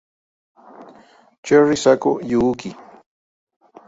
Cherry Saku Yuuki!!